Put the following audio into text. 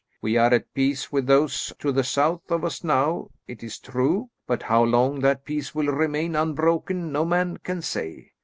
We are at peace with those to the south of us now, it is true; but how long that peace will remain unbroken, no man can say.